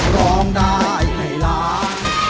ร้องได้ให้ล้าน